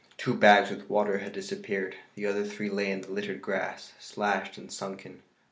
Two bags with water had disappeared; the other three lay in the littered grass, slashed and sunken.